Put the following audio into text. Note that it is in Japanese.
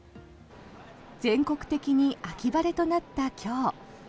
全国的に秋晴れとなった今日。